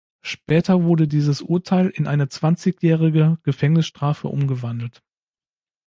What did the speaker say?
Später wurde dieses Urteil in eine zwanzigjährige Gefängnisstrafe umgewandelt.